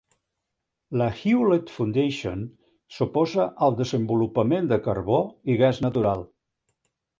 La Hewlett Foundation s'oposa al desenvolupament de carbó i gas natural.